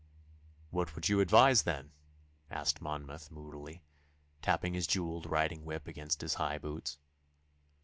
'What would you advise, then?' asked Monmouth moodily, tapping his jewelled riding whip against his high boots.